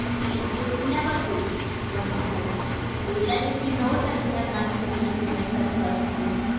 "It would never do," one said, "to let it be known that we had money sufficient to make such purchases.